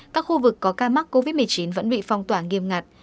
các khu vực có ca mắc covid một mươi chín vẫn bị phong tỏa nghiêm ngặt